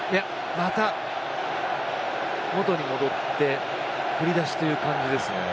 また、元に戻って振り出しという感じですね。